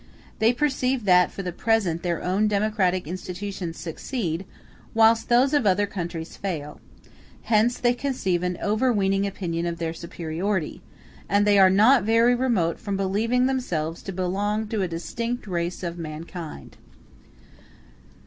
They perceive that, for the present, their own democratic institutions succeed, whilst those of other countries fail; hence they conceive an overweening opinion of their superiority, and they are not very remote from believing themselves to belong to a distinct race of mankind.